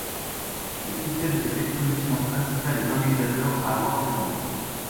Le succès de cette exposition incita les organisateurs à voir plus loin.